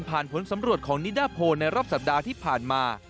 ผลสำรวจของนิดาโพลในรอบสัปดาห์ที่ผ่านมา